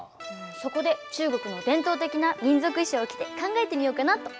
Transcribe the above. そこで中国の伝統的な民族衣装を着て考えてみようかなと。